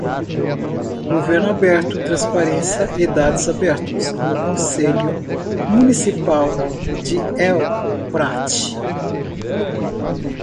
Governo aberto, transparência e dados abertos no Conselho Municipal de El Prat.